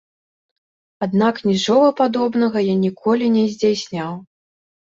Аднак нічога падобнага я ніколі не здзяйсняў.